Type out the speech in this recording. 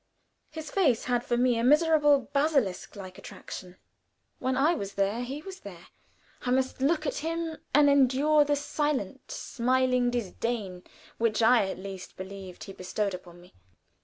His face had for me a miserable, basilisk like attraction. When I was there he was there, I must look at him and endure the silent, smiling disdain which I at least believed he bestowed upon me.